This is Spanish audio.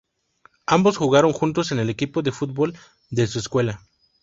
Ambos jugaron juntos en el equipo de fútbol de su escuela.